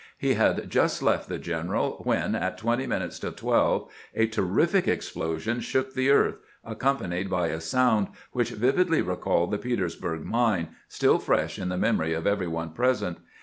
He had just left the general when, at twenty minutes to twelve, a terrific explosion shook the earth, accompanied by a sound which vividly recalled the Petersburg mine, still fresh in the memory of every one present.